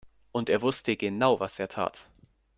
Und er wusste genau, was er tat.